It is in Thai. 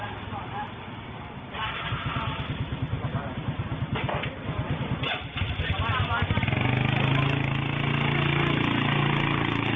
โหกลับสิว่านี่แหล็กต่อไป